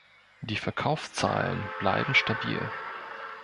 Die Verkaufszahlen bleiben stabil.